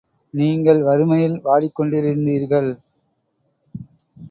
நீங்கள் வறுமையில் வாடிக் கொண்டிருந்தீர்கள்.